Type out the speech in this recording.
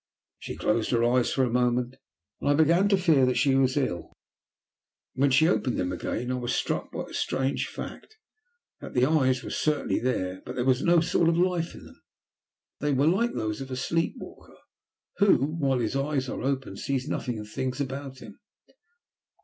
She closed her eyes for a moment, and I began to fear that she was ill. When she opened them again I was struck by a strange fact; the eyes were certainly there, but there was no sort of life in them. They were like those of a sleep walker who, while his eyes are open, sees nothing of things about him.